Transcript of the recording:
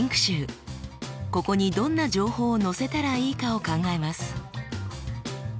ここにどんな情報を載せたらいいかを考えます。